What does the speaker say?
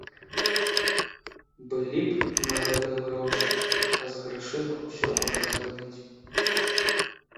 Былі б на гэта грошы, а з грашыма ўсё можна зрабіць.